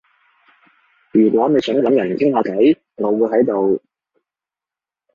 如果你想搵人傾下偈，我會喺度